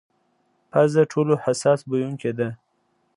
پزه ټولو حساس بویونکې ده.